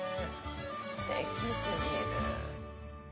すてきすぎる。